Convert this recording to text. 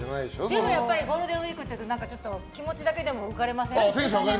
でも、やっぱりゴールデンウィークというと気持ちだけでも浮かれません？